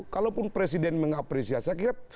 kalaupun presiden mengapresiasi